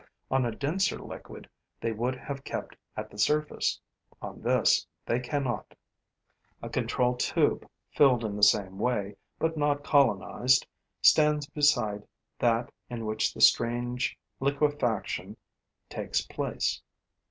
On a denser liquid, they would have kept at the surface; on this, they cannot. A control tube, filled in the same way, but not colonized, stands beside that in which the strange liquefaction takes place.